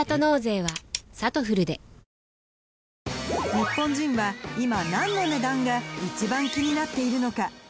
ニッポン人は今何の値段が一番気になっているのか？